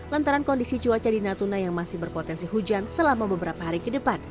lantaran kondisi cuaca di natuna yang masih berpotensi hujan selama beberapa hari ke depan